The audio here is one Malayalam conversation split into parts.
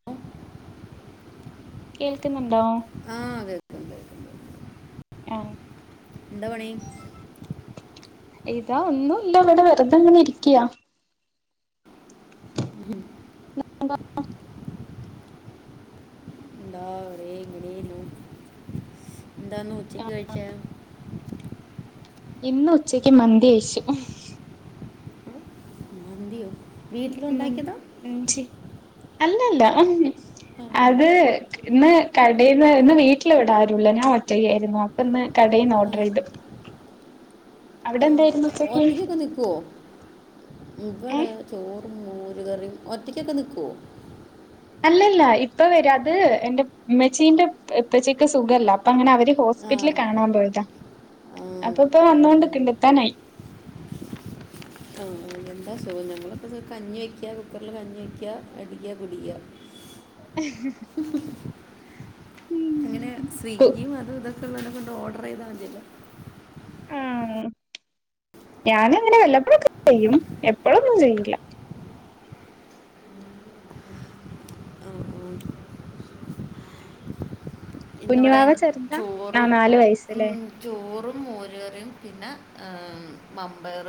[inaudible] കേൾക്കുന്നുണ്ടോ ആഹ് വെൽക്കം വെൽക്കം ആഹ് എന്താ പണി ഇതാ ഒന്നുല്ല ഇവിടെ വെറുതെങ്ങനെ ഇരിക്കാ ഉം എന്താ [unintelligible] എന്താന്ന് ഉച്ചയ്ക്ക് കഴിച്ചേ ഇന്ന് ഉച്ചയ്ക്ക് മന്തി കഴിച്ചു മന്തിയോ വീട്ടിലേണ്ടാക്കിയതാ അല്ലല്ല ആ, അത് ആ, ഇന്ന് കടേന്ന് ഇന്ന് വീട്ടിൽ ഇവിടാരുല്ല ഞാൻ ഒറ്റക്കായിരുന്നു ഇന്ന് കടേന്ന് ഓഡറെയ്ത് അവിടെന്തേ ഒറ്റക്കൊക്കെ നിക്കുവോ ഇവിടെ ഏഹ് ചോറും മോരുകറിയും ഒറ്റയ്ക്കൊക്കെ നിക്കുവോ അല്ലല്ല ഇപ്പ വരും അത്ന്റെ മ്മച്ചീന്റെ പ്പച്ചിക്ക് സുഖല്ല അപ്പൊ അങ്ങനെ അവര് ഹോ ആ സ്പിറ്റലിൽ കാണാൻ പോയതാ ആ, ഉം, അപ്പ ഇപ്പ ഉം. വന്നൊണ്ട്ക്ക്ണ്ട് എത്താനായി ആഹ് എന്താ സോ ഞങ്ങളിപ്പോ കഞ്ഞി വെക്കാ കുക്കറില് കഞ്ഞി വെക്കാ അടിക്കാ കുടിക്കാ [inaudible] ഉം എങ്ങനെ സ്വിഗ്ഗിയും അത് ഇതൊക്കെ ക്കെ ഉള്ളോണ്ട് ഓഡറെയ്താ മതിയല്ലോ ആ ഞാനങ്ങനെ വല്ലപ്പോഴൊക്കെ ചെയ്യും എപ്പോഴൊന്നും ചെയ്യില്ല ഓഹ് ഇന്നിവിടെ കുഞ്ഞുവാവ ചെറുതാ ആ ചോറും നാല് ഉം വയസ്സല്ലേ ചോറും മോരുകറിയും പിന്നെ മമ്പയർ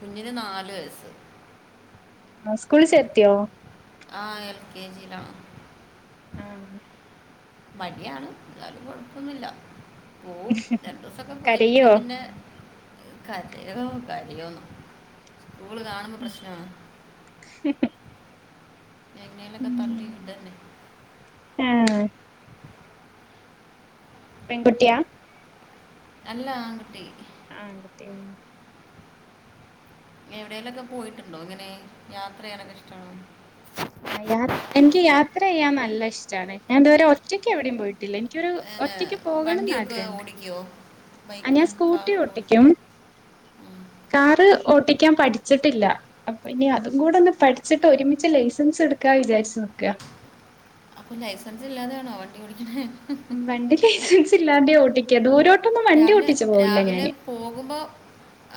കുഞ്ഞിന് നാല് വയസ്സ് ആ സ്കൂൾ ചേർത്തിയോ? ആ എൽ കെ ജിയിലാ ആ മടിയാണ് ന്നാലും കുഴപ്പൊന്നുല്ല പോവും രണ്ടു ദിവസൊക്കെ പോയി പിന്നെ കരയോ പിന്നെ - കരയോ കരയോന്നോ സ്കൂള് കാണുമ്പോ പ്രശ്നാണ് [inaudible] എങ്ങനെക്കെ തള്ളി വിടന്നെ ഏഹ് പെൺകുട്ടിയാ? നല്ല ആങ്കുട്ടി ഉം എവിടേലൊക്കെ പോയിട്ടുണ്ടോ? ഇങ്ങനെ യാത്രയ്യാനൊക്കെ ഇഷ്ടാണോ? ആയാ എനിക്ക് യാത്രയ്യാൻ നല്ല ഇഷ്ടാണ് ഞാൻതുവരെ ഒറ്റക്ക് എവിടെയും പോയിട്ടില്ല ല്ല എനിക്കൊരു അങ്ങനെ ഒറ്റയ്ക്ക് പോകണംന്ന് വണ്ടിയൊക്കെ ആഗ്രഹംണ്ട്. [unintelligible] ആ ഞാൻ ബൈക്കും സ്കൂട്ടി കാറൊക്കെ ഓടിക്കുമോ ഓട്ടിക്കും കാറ് ഓട്ടിക്കാൻ പഠിച്ചിട്ടില്ല അപ്പൊ ഇനി അതും കൂടെ ഒന്ന് പഠിച്ചിട്ട് ഒരുമിച്ച് ലൈസൻസെടുക്കാ വിചാരിച്ചു നിക്കാ അപ്പൊ ലൈസൻസ് ഇല്ലാതെയാണോ വടണ്ടി ഓടിക്കണെ? വണ്ടി ലൈസൻസ് ഇല്ലാതെയ ഓട്ടിക്കാ ദൂരോട്ടൊന്നും വണ്ടി രാവിലെ ഓട്ടിച് പോവില്ല രാവിലെ ഞാന് പോകുമ്പോൾ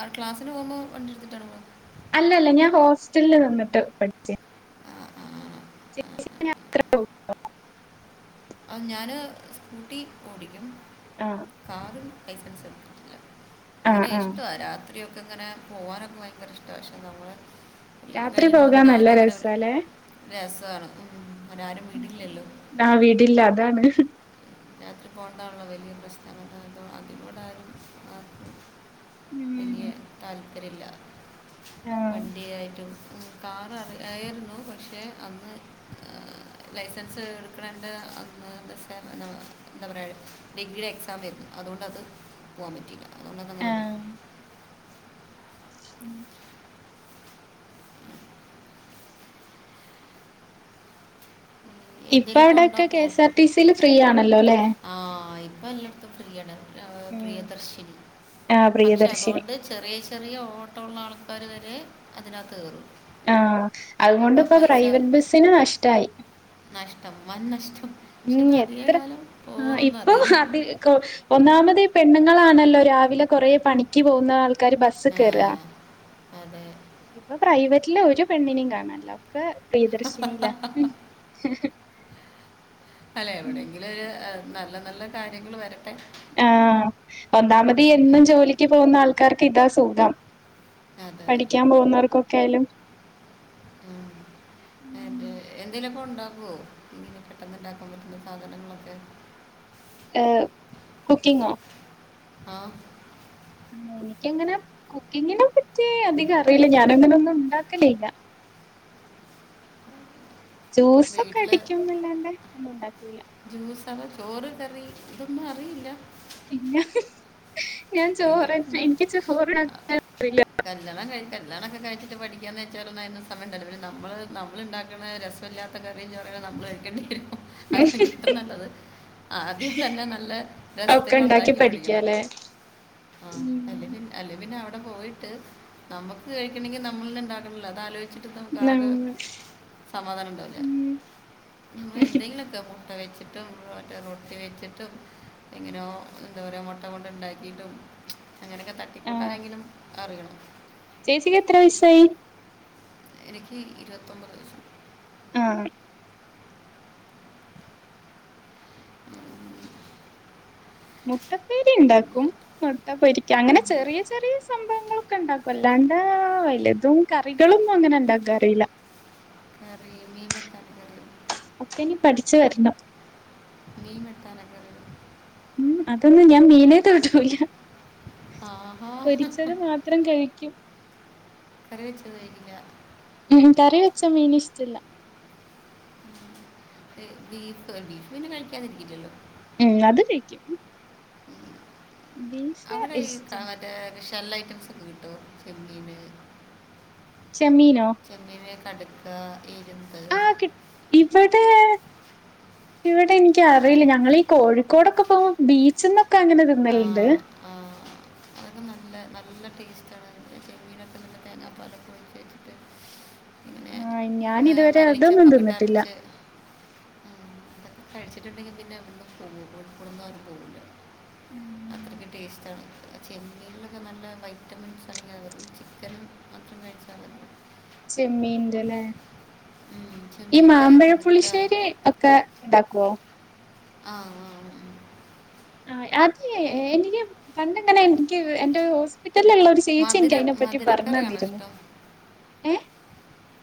ആ ക്ലാസ്സിന് പോകുമ്പോൾ വണ്ടി ടുത്തിട്ടാണ് പോ അല്ലല്ല ഞാൻ ഹോസ്റ്റലിൽ നിന്നിട്ട് പഠിച്ചേ ആ ആ [inaudible] ആ ഞാന് സ്കൂട്ടി ഓടിക്കും. ആഹ്. കാറും ലൈസൻസ് എ ആഹ് ഇങ്ങനെ ആഹ് ഇഷ്ടം രാത്രി ക്കെ ഇങ്ങനെ പോവാ നൊക്കെ ഭയങ്കര ഇഷ്ടമാണ് പക്ഷെ നമ്മൾ കല്യാണം രാത്രി കഴിഞ്ഞിട്ടന്നും പോകാൻ പിന്നെ നല്ല ആരും അങ്ങനെ രസാല്ലേ [unintelligible] രസമാണ് അങ്ങനെ ആരും വീടില്ലല്ലോ! ആ വീടില്ല അതാണ്. രാത്രി പോകേണ്ടാനുള്ള വലിയ പ്രശ്നം [unintelligible] അതിലൂടാനും വെല്ല്യ താല്പര്യല്ല ആഹ് വണ്ടിയായിട്ടും കാറ് അറിയായിരുന്നു പക്ഷേ അന്ന് എഹ് ലൈസൻസ് എടുക്കണണ്ട് അന്ന് [unintelligible] എന്താ പറയുക ഡിഗ്രി എക്സാം ആയിരുന്നു അതുകൊണ്ട അത് പോകാൻ പറ്റിയില്ല അതുകൊണ്ടത് അങ്ങനെ പോയി [inaudible] [inaudible] ഇപ്പ എന്തെങ്കിലുമൊക്കെ അവിടെക്കെ കെഎസ് ആർ ടിസിൽ ഫ്രീ ആണല്ലോ ല്ലേ ആഹ് ഇപ്പം എല്ലായിടത്തും ഫ്രീയാണ്. ആഹ് ഉം പ്രിയദർശിനി ആഹ് പക്ഷെ പ്രിയദർശിനി അതുകൊണ്ട് ചെറിയ ചെറിയ ഓട്ടമള്ള ആൾക്കാര് വരെ അതിനകത്ത് കേറും ആഹ് അതുകൊണ്ട് പ്പോ പ്രൈവറ്റ് ബസിന് നഷ്ടായി നഷ്ടം വൻ നഷ്ടം പക്ഷെ ഉം ഇത് അധിക എത്ര കാലം ആ പോകുന്നൊന്നും ഇപ്പൊ അറിയില്ല അത് കൊ ഒന്നാമത് പെണ്ണുങ്ങളാണല്ലോ രാവിലെ കുറേ പണിക്ക് പോകുന്ന ആൾ ക്കാര് ബസ്സ് ആ, കേറാ അതെ ഇപ്പൊ പ്രൈവറ്റില് ഒരു പെണ്ണിനെയും കാണല്ല ഒക്കെ പ്രിയദർശിനിലാ അല്ലെ എവിടെയെങ്കിലും ഒരു നല്ല നല്ല കാര്യങ്ങള് വരട്ടെ ആഹ് ഒന്നാമത് എന്നും ഏഹ്, ജോലിക്ക് പോകുന്ന ആൾക്കാർക്ക് ഇതാ സുഖം അത് പഠിക്കാൻ പോകുന്നവർക്കൊക്കെ ആയാലും അതെ എന്തേലും ഒക്കെ ഉണ്ടാക്കോ പെട്ടെന്നുണ്ടാക്കാൻ പറ്റുന്ന സാധനങ്ങളൊക്കെ ഏഹ് കുക്കിങ്ങോ ആഹ് ആഹ് എനിക്കങ്ങനെ കുക്കിങ്ങിനെ പറ്റി അധികം അറിയില്ല ഞാനങ്ങനെ ഒന്നും ഉണ്ടാക്കലില്ല ജ്യൂസൊ ക്കെ വീട്ടിൽ അടിക്കുംന്നല്ലാണ്ട് ഒന്നും ഉണ്ടാക്കൂല ജ്യൂസാണ് ചോറ് കറി ഇതൊന്നും അറിയില്ല ഇല്ല ഞാൻ ചോറ് ഇതൊക്കെ ഉണ്ടാവും എനിക്ക് ചോറ് ആ, വെയ്ക്കാൻ ഒന്നും അറിയില്ല കല്യാണം കഴി കല്യാണക്കെ കഴിച്ചിട്ട് പഠിക്കാന്നു വെച്ചലാ ന്നും അയ്നൊന്നും സമയ ഉണ്ടാവൂല നമ്മള് നമ്മളുണ്ടാക്കുന്ന രസം ഇല്ലാത്ത കറിയും ചോറും ക്കെ നമ്മള് കഴിക്കെണ്ടി വരും അത്ര നല്ലത് ആദ്യം തന്നേ നല്ല ഒക്കെ രസത്തില് ഉണ്ടാക്കി ണ്ടാക്കി പഠിക്കണം പഠിക്കാല്ലേ. ആഹ് അല്ല ഉം പി അല്ല പിന്നെ അവിടെ പോയിട്ട് നമ്മുക്ക് കഴിക്കണങ്കിൽ നമ്മള ഉണ്ടാക്കണല്ലോ അതോ നമുക്ക് ആകെ സമാധാനം ഉണ്ടാവൂല ഉം നമ്മളന്തെങ്കിലുംക്കെ മുട്ട കയ്ച്ചിട്ടും മറ്റേ റൊട്ടി കഴിച്ചിട്ടും എങ്ങനോ എന്താ പറയ മുട്ട കൊണ്ട ണ്ടാക്കിയിട്ടും അങ്ങനൊക്കെ ആഹ് തട്ടിക്കൂട്ടാനെങ്കിലും അറിയണം ചേച്ചിക്ക് എത്ര യസ്സായി എനിക്ക് ഇരുപത്തൊമ്പത് വയസ്സ് ആഹ് ഉം. മുട്ടപ്പേരി പിന്നെ ഇണ്ടാക്കും മുട്ട പൊരിക്ക അങ്ങനെ ചെറിയ ചെറിയ സംഭവങ്ങളൊക്കെ ഉണ്ടാക്കും അല്ലാണ്ട് വലുതും കറികളൊന്നും അങ്ങനെ ഇണ്ടാക്കാൻ അറിയില്ല അറി മീ [unintelligible] ഒക്കെ ഇനി പഠിച്ചു വരണം മീൻ വെക്കാനോക്കെ ഉം അതൊന്നും ഞാൻ മീനേ തൊടൂല ആഹാ പൊരിച്ചത് മാത്രം കഴി ക്കും കറിവച്ചത് [unintelligible] ഞ്ഞ ഉം കറിവെച്ച മീൻ ഇഷ്ടല്ല ബീഫ് ബീഫ് പിന്നെ കഴിക്കാതിരിക്കില്ലല്ലോ ഉം അത് കഴിക്കും ഉം. ബി അവിടെ ഈ ക മറ്റേ ഷെല്ല ഐറ്റംസ് ഒക്കെ കിട്ടോ ചെമ്മീന് ചെമ്മീനോ ചെമ്മീൻ കട്ക്ക എരുന്ത് ആഹ് കി ഇവടെ ഇവിടെ അതെ എനിക്കറിയില്ല ഞങ്ങളി കോഴിക്കോടൊക്കെ പോ ബീച്ച് ന്നൊക്കെ അങ്ങനെ തിന്നലുണ്ട് അഹ് അത് നല്ല നല്ല ടേസ്റ്റാണ് അത് ചെമ്മീനൊക്കെ നല്ല തേങ്ങാപ്പാൽ ആഹ് ഇന്ന്യാ മല്ലിചെപ്പൊക്കെയിട്ട് അരച്ച് കഴിച്ചിട്ടുണ്ടെങ്കിൽ പിന്നെ അവിടുന്ന് [unintelligible] പോവില്ല ഉം അത്രക്ക് ടെസ്റ്റാണ് ചെമ്മീനിലൊക്കെ നല്ല വൈറ്റമിൻസ് അടങ്ങിയതും ചിക്കനും ചെമ്മീന്റെ ലെ മതി ഈ ചെമ്മീൻ മാമ്പഴ കടുക്ക പുളിശ്ശേരി ഒക്കെ ണ്ടാക്കോ ആഹ് ആഹ് അത് എങ്ങനെ പണ്ടെങ്ങനെ എനിക്ക് എന്റെ ഹോസ്പിറ്റലിലുള്ള ഒരു സ് മധുര ചേച്ചിഇൻക്ക് അതിനെപ്പറ്റി പറഞ്ഞു മധുരക്കറിയാണോ തന്നിരുന്നു ഇഷ്ടം ഏഹ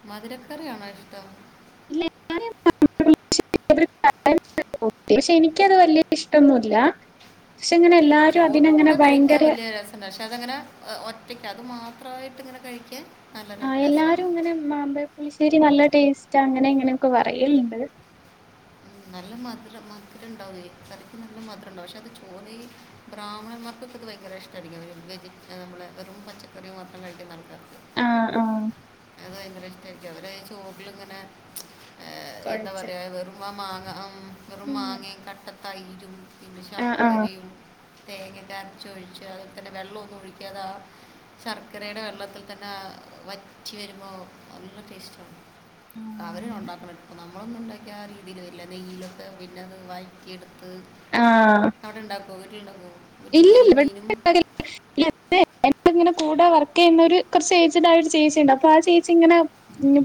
മധുരക്കറിയണോ ഇഷ്ടം ഇല്ല [unintelligible] [unintelligible] പക്ഷേ എനിക്കത് വലിയ ഇഷ്ടൊന്നും ഇല്ല പഷേ ഇങ്ങനെ എല്ലാരും അതിനങ്ങനെ ഭയങ്കരെ പക്ഷേ അതങ്ങനെ [unintelligible] ഒറ്റയ്ക്ക് അത് മാത്രമായിട്ട് ഇങ്ങനെ കഴിക്കാൻ നല്ല ആ ര- രസമാണ് എല്ലാരും ഇങ്ങനെ മാമ്പഴ പുളിശ്ശേരി നല്ല ടേസ്റ്റാ അങ്ങനെ ഇങ്ങനെയൊക്കെ പറയലുണ്ട്. നല്ല മധുരം മധുരം ഉണ്ടാവോ [unintelligible] നല്ല മധുരം ഉണ്ടാവും പക്ഷേ അത് ചോലയ് ബ്രാഹ്മണന്മാർക്കൊക്കെ ഇത് ഭയങ്കര ഇഷ്ടമായിരിക്കും വെജ് [unintelligible] നമ്മള് വെറും പച്ചക്കറി മാത്രം കഴിക്കുന്ന [unintelligible] ആഹ് ആഹ് അത് ഭയങ്കര ഇഷ്ടായിരിക്കും അവര് ചൊറില്ങ്ങനെ ഏ എന്താ കൊഴച്ച് പറയാ വെരും മാ മാങ്ങ അം വെറും ഉം മാങ്ങയും കട്ടതൈരും പിന്നെ ആഹ് ആഹ് ശർക്കരയും തേങ്ങക്കെ അരച്ച് ഒഴിച്ച് അതിയ്തന്നെ വെള്ളഒന്നും ഒഴിക്കാതെ അ ശർക്കരയുടെ വെള്ളത്തിൽ തന്നെ വറ്റി വരുമ്പോൾ നല്ല ടേസ്റ്റാണ് അവര് ഉണ്ടാക്കണം നമ്മളൊന്നും ഉണ്ടാക്യാ ആ രീതിൽ വരില്ല നെയ്യിലൊക്കെ പിന്നത് വഴറ്റി എട് ഉം അവിടെ ഇണ്ടാക്കോ വീട്ടിലുണ്ടാക്കോ? ഇല്ല ഇല്ല ഇവിടെ [unintelligible] [unintelligible] കൂടെ വർക്ക് ചെയ്യുന്ന ഒരു കൊറച്ച് ഏജ്ഡായ ഒരു ചേച്ചി ഇണ്ട് അപ്പോ ആ ചേച്ചി ഇങ്ങനെ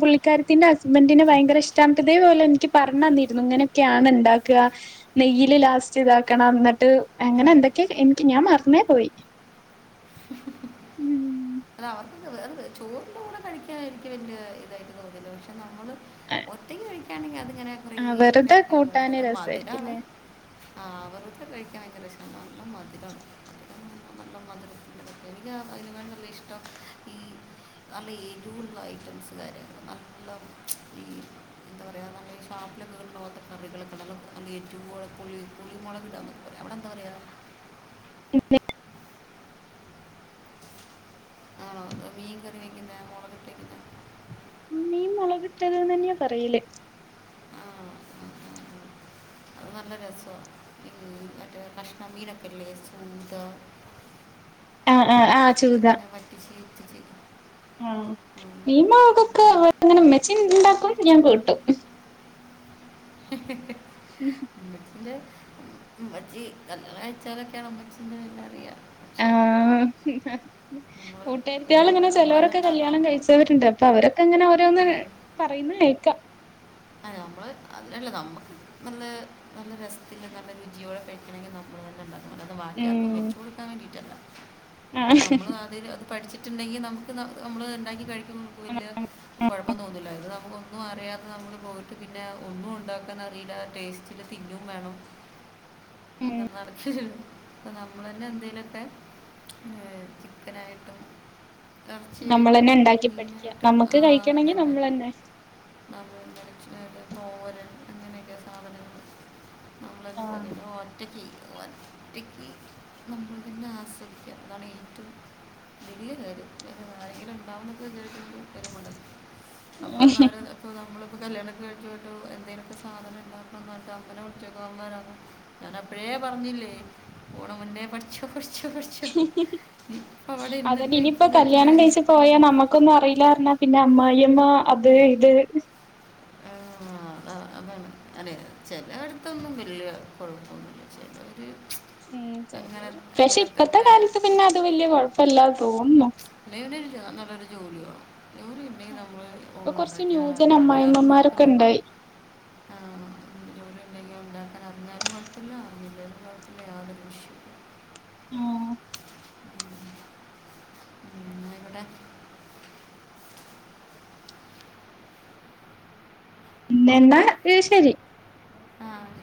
പുള്ളിക്കാരത്തിന്റെ ഹസ്ബന്റിന് ഭയങ്കര ഇഷ്ട്ടാഞ്ഞിട്ട് ഇതേപോലെ എനിക്ക് പറഞ്ഞു തന്നിരുന്നു ഇങ്ങനൊക്കെയാണ് ഇണ്ടാക്ക നെയ്യില് ലാസ്റ്റ് ഇതാക്കണം എന്നിട്ട് അങ്ങനെ ഉം, എന്തൊക്കെ എനിക്ക് ഞാൻ മറന്നേ പോയി [unintelligible] അവർക്കത് [unintelligible] ചോറിന്റെ കൂടെ കഴിക്കാൻ എനിക്ക് വല്യ ഇതായിട്ട് തോന്നില്ല പക്ഷേ നമ്മള് ഒറ്റക്ക് കഴിക്കാണെങ്കിൽ അതിങ്ങനെ കുറേ ആഹ് വെറുതെ കഴിക്കണം പക്ഷേ കൂട്ടാന് അത് മധുരാണ് രസായിരിക്കുംല്ലേ ആഹ് അവർക്ക് കഴിക്കാൻ ഭയങ്കര ഇഷ്ട്ടം നല്ല മധുരം ആണ്. [unintelligible] എല്ലാ [unintelligible] നല്ല ഇഷ്ടം നല്ല ഏറ്റോം ഉള്ള ഐറ്റംസ് കാരെ പക്കാ ഈ [unintelligible] അവിടെ എന്താ പറയാ [unintelligible] ആണോ മീൻകറിവെക്കുന്നആ മീൻമുളകിട്ടതെന്ന് തന്നെയാ പറയില്. [unintelligible] നല്ല രസമാ [unintelligible] മറ്റേ കഷണ മീനൊക്കെല്ലേ ആ ആ ആഹ് ചൂദാ അതിങ്ങനെ വറ്റിച്ച് ഇത്തിച്ച് മീൻവാങ്ങുക്കെ വെട്ടുന്നെന് ഉമ്മെച്ചി ണ്ടാക്കും ഞാൻ കൂട്ടും [unintelligible] ഹുഹ് ഉമ്മച്ചീൻ്റെ ഉമ്മച്ചി നല്ലഅച്ചാറോക്കെയാണ് ഉമ്മച്ചീൻ്റെ എല്ല അറിയാം ആ നമ്മൾ കൂട്ടേത്തിയാൾ പിന്നെ ഇങ്ങനെ നമ്മൾ തന്നെ ചിലരൊക്കെ ഉണ്ടാക്കണം കല്യാണം കഴിച്ച് ന്നട്ട്ണ്ട് അപ്പൊ അവരൊക്കെ അങ്ങനെ ഓരോന്ന് പറയുന്ന കേക്കാം ആ ഞമ്മള് അതല്ല നമ്മള് അതില്ല നമുക്ക് നല്ല നല്ല രസത്തില് നല്ലരു രുചിയോടെ കഴിക്കണമെങ്കിൽ നമ്മ ത് ബാക്കിയാർക്കും ഉം വെച്ചു കൊടുക്കാൻ വേണ്ടിയിട്ടല്ല ആ നമ്മള്തി പഠിച്ചിട്ടുണ്ടെങ്കി നമുക്ക് ന നമ്മള് ഉണ്ടാക്കി കഴിക്കിമ്പോ ഒന്നുല്ല കൊഴപ്പംതോന്നില്ലാരുന്ന് ഇത് നമ്മക്ക് ഒന്നും അറിയാതെ നമുക്ക് പോയിട്ട് പിന്നെ ഒന്നും ഉണ്ടാക്കാന്നറിയില്ല ടേസ്റ്റില് തിന്നും വേണം. ഉം അപ്പൊ പറച്ചില് നമ്മള്ന്നെ എന്തെലുമൊക്കെ പിന്നെ ചിക്കനായിട്ടും നമ്മളന്നെ എറച്ചിയായിട്ടും മീനായിട്ടും ആ അതന്നെ തന്നെ [unintelligible] തോരൻ അങ്ങനെയൊക്കെ സാധനങ്ങൾ നമ്മളൊക്കെ തന്നെ എന്നാ ഓറ്റക്ക് എ ഒറ്റക്ക് നമ്മളന്നെ ആസ്വദിക്ക അതാണ് ഏറ്റവും വലിയകാര്യംഇപ്പൊ ആരെങ്കിലും അപ്പ നമ്മളിപ്പോ കല്യാണംകഴിച്ച് വിട്ടു എന്തെലുക്കെ സാധനംണ്ടാക്കൻകാലത്ത് അമ്മേനെവിളിച്ചക്കോ ഞാൻ അപ്പഴേ പറഞ്ഞില്ലേ ഓണമുന്നേ പഠിച്ചോ പഠിച്ചോ പഠി ച്ചോ ഇപ്പ അവിടെ ഇര്ന്നിട്ട് ഇപ്പൊ വിളിച്ച്തരുന്ന പോയെ നമ്മക്കൊന്നും അറിയില്ലാന്ന് പറഞ്ഞാ പിന്നെ അമ്മായിമ്മ അത് ഇത് ആഹ് അ അതാണ് അതെ ചെലേടു ത്തൊന്നും വല്ല്യ കൊഴപ്പൊന്നുല്ല [unintelligible] ഉം ചെലര് പക്ഷെ ഇപ്പഴ്ത്തെ കാലത്ത് പിന്നെ അത് വലൃ കൊഴപ്പില്ലാന്ന് തോന്നു നേരം ഇല്ല്യാന്നൊള്ളൊരു ജോലിയാവും ജോലിഇല്ലേ നമ്മള് ഇപ്പൊ കൊറച്ച് ഇപ്പോന്നുണ്ടാക്കിയ ന്യൂജൻ അറിയാലും അമ്മായിമ്മമാരൊക്കെ കൊഴപ്പില്ല ഉണ്ടായി ആ ജോലിഉണ്ടെങ്കിൽ ഉണ്ടാക്കാൻ അറിഞ്ഞാലും കൊഴപ്പില്ല അറിഞ്ഞില്ലേലും കൊഴപ്പില്ല യാതൊരുവിഷ് ഓ ഇന്നിവിടെ പിന്നെ എന്താ അത്ശരി ആഹ്